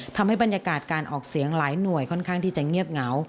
ทำให้บรรยากาศการออกเสียงหลายหน่วยค่อนข้างที่จะเงียบเหงา